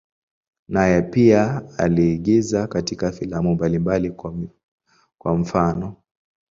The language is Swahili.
Naye pia aliigiza katika filamu mbalimbali, kwa mfano.